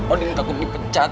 odin takut dipecat